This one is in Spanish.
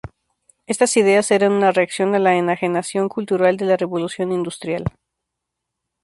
Estas ideas eran una reacción a la enajenación cultural de la Revolución industrial.